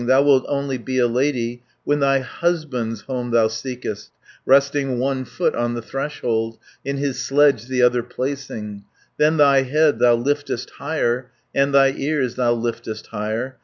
Thou wilt only be a lady When thy husband's home thou seekest, Resting one foot on the threshold, In his sledge the other placing, 140 Then thy head thou liftest higher, And thy ears thou liftest higher.